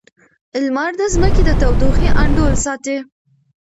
لمر د ځمکې د تودوخې انډول ساتي.